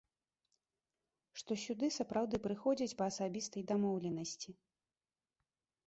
Што сюды сапраўды прыходзяць па асабістай дамоўленасці.